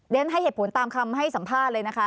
ให้เหตุผลตามคำให้สัมภาษณ์เลยนะคะ